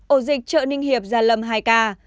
ổ dịch trợ ninh hiệp gia lâm hai ca